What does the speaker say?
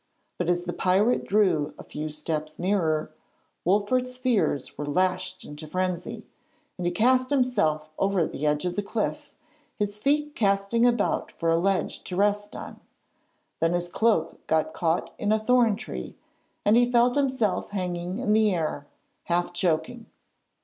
But as the pirate drew a few steps nearer, Wolfert's fears were lashed into frenzy, and he cast himself over the edge of the cliff, his feet casting about for a ledge to rest on. Then his cloak got caught in a thorn tree and he felt himself hanging in the air, half choking.